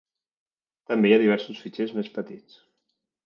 També hi ha diversos fitxers més petits.